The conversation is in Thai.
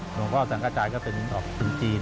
หลวงพ่อทรังกะจายก็เป็นจีน